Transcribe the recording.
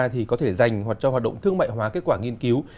thì có thể dành hoặc cho hoạt động thương mại hóa kết quả nghiên cứu